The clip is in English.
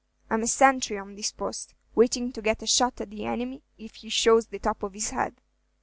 "I'm a senthry on his post, waiting to get a shot at the enemy if he shows the top of his head.